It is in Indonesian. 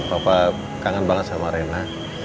bapak kangen banget sama rena